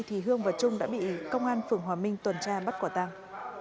thì hương và trung đã bị công an phường hòa minh tuần tra bắt quả tăng